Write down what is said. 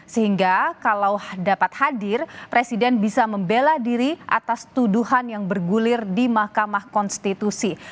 sehingga kalau dapat hadir presiden bisa membela diri atas tuduhan yang bergulir di mahkamah konstitusi